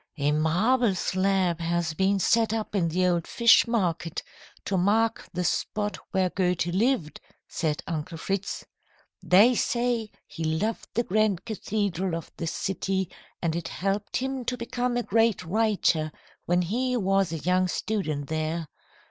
"A marble slab has been set up in the old Fish Market to mark the spot where Goethe lived," said Uncle Fritz. "They say he loved the grand cathedral of the city, and it helped him to become a great writer when he was a young student there.